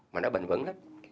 mà nó bình vẩn lắm